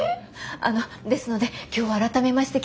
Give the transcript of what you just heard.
あのですので今日は改めましてきちんと。